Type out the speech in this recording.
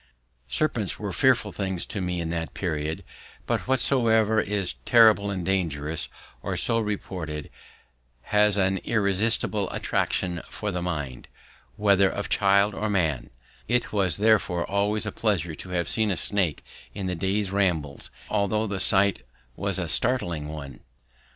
Serpents were fearful things to me at that period; but whatsoever is terrible and dangerous, or so reported, has an irresistible attraction for the mind, whether of child or man; it was therefore always a pleasure to have seen a snake in the day's rambles, although the sight was a startling one.